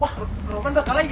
roman bakal kalahin ya